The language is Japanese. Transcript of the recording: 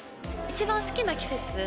一番好きな季節？